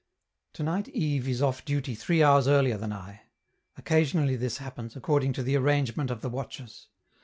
Tonight Yves is off duty three hours earlier than I; occasionally this happens, according to the arrangement of the watches.